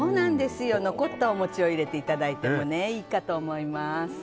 残った餅を入れていただいてもいいかと思います。